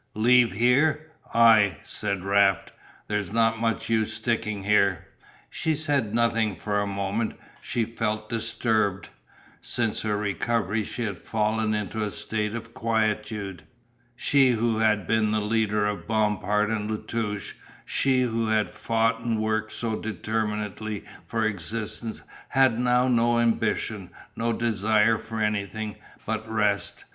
"Leave here?" "Ay," said Raft, "there's not much use sticking here." She said nothing for a moment, she felt disturbed. Since her recovery she had fallen into a state of quietude. She who had been the leader of Bompard and La Touche, she who had fought and worked so determinedly for existence had now no ambition, no desire for anything but rest.